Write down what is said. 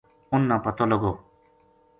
اُنھ نا پتو لگو